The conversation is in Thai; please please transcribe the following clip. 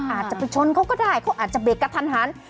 อาจจะไปชนเขาก็ได้เขาอาจจะเบรกกระทันหัน